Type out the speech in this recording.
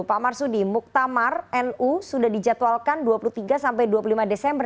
pak marsudi muktamar nu sudah dijadwalkan dua puluh tiga sampai dua puluh lima desember